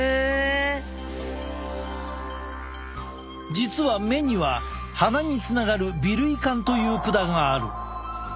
実は目には鼻につながる鼻涙管という管がある。